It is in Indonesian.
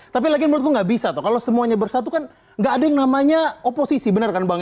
tapi lagi menunggu gak bisa kalau semuanya bersatu kan nggak ada yang namanya oposisi bener kan bang